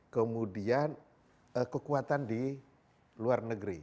kemudian kekuatan di luar negeri